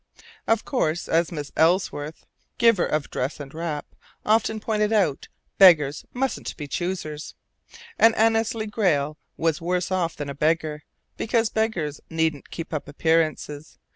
Of course, as Mrs. Ellsworth (giver of dress and wrap) often pointed out, "beggars mustn't be choosers"; and Annesley Grayle was worse off than a beggar, because beggars needn't keep up appearances.